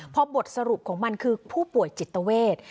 พอบทสรุปของมันคือผู้ป่วยจิตเวท